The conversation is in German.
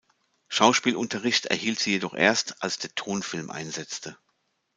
Schauspielunterricht erhielt sie jedoch erst, als der Tonfilm einsetzte.